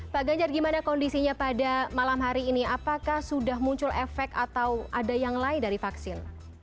pak ganjar gimana kondisinya pada malam hari ini apakah sudah muncul efek atau ada yang lain dari vaksin